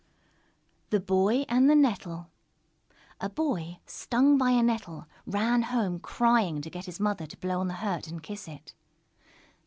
_ THE BOY AND THE NETTLE A Boy, stung by a Nettle, ran home crying, to get his mother to blow on the hurt and kiss it.